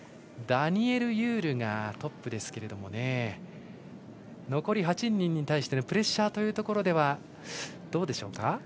ダニエル・ユールがトップですが残り８人に対してプレッシャーというところではどうでしょうか。